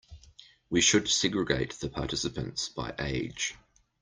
We should segregate the participants by age.